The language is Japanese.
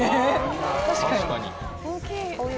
確かに。